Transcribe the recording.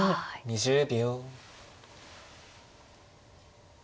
２０秒。